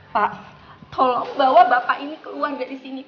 pak tolong bawa bapak ini keluar dari sini